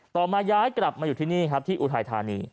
มาย้ายกลับมาอยู่ที่นี่ครับที่อุทัยธานี